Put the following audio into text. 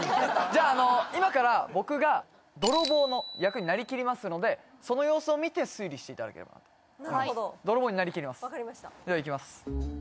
じゃああの今から僕が泥棒の役になりきりますのでその様子を見て推理していただければとはい泥棒になりきりますではいきます